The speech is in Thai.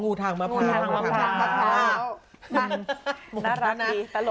อ๋องูทางมะพร้าวงูทางมะพร้าว